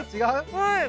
はい。